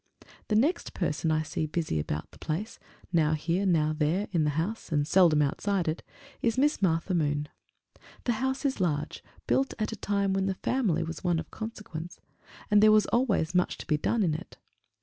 The next person I see busy about the place, now here now there in the house, and seldom outside it, is Miss Martha Moon. The house is large, built at a time when the family was one of consequence, and there was always much to be done in it.